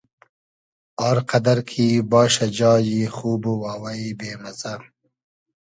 آر قئدئر کی باشۂ جایی خوب و واوݷ بې مئزۂ